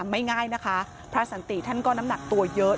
ไม่ง่ายนะคะพระสันติท่านก็น้ำหนักตัวเยอะ